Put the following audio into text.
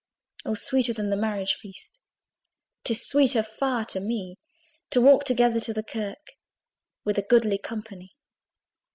O sweeter than the marriage feast, 'Tis sweeter far to me, To walk together to the kirk With a goodly company!